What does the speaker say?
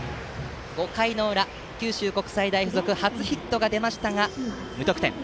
５回の裏、九州国際大付属初ヒットが出ましたが無得点。